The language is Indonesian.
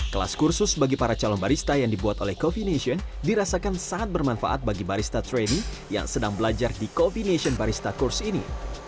kelas kursus bagi para calon barista yang dibuat oleh coffee nation dirasakan sangat bermanfaat bagi barista traine yang sedang belajar di coffee nation barista kurs ini